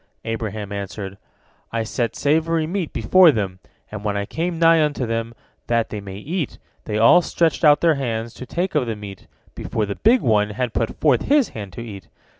Abraham answered: "I set savory meat before them, and when I came nigh unto them, that they might eat, they all stretched out their hands to take of the meat, before the big one had put forth his hand to eat.